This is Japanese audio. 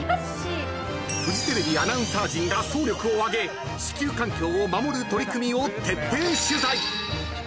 ［フジテレビアナウンサー陣が総力を挙げ地球環境を守る取り組みを徹底取材］